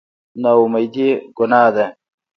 نااميدي ګناه ده